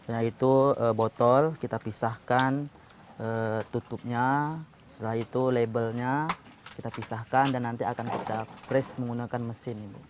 yaitu botol kita pisahkan tutupnya setelah itu labelnya kita pisahkan dan nanti akan kita press menggunakan mesin